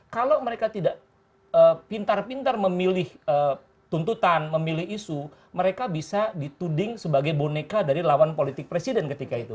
kalau mereka tidak pintar pintar memilih tuntutan memilih isu mereka bisa dituding sebagai boneka dari lawan politik presiden ketika itu